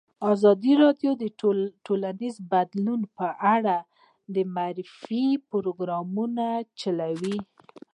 ازادي راډیو د ټولنیز بدلون په اړه د معارفې پروګرامونه چلولي.